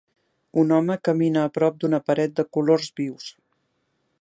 Un home camina a prop d'una paret de colors vius.